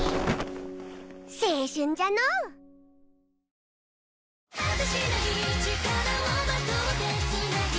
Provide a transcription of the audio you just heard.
青春じゃのうああ